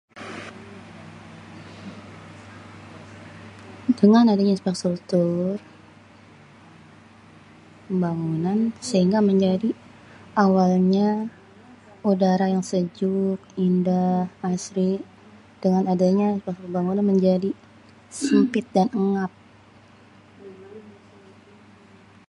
Dengan adenye pembangunan sehingga menjadi awalnya udara yang sejuk indah asli dengan adenyé pembangunan sempit dan engap.